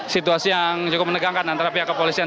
situasi yang cukup menegangkan antara pihak kepolisian